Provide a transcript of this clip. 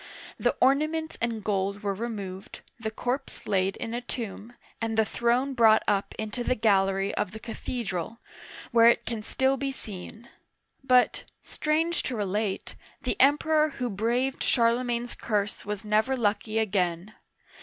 The ornaments and gold were removed, the corpse laid in a tomb, and the throne brought up into the gallery of the cathe dral, where it can still be seen. But, strange to relate, the Emperor who braved Charlemagne's curse was never lucky again.